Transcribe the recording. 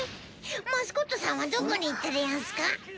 マスコットさんはどこに行ったでヤンスか？